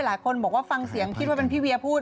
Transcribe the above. หลายคนบอกว่าฟังเสียงคิดว่าเป็นพี่เวียพูด